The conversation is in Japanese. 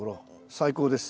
最高です。